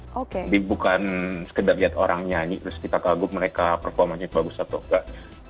jadi bukan sekedar lihat orang nyanyi terus kita kagum mereka performance nya bagus atau nggak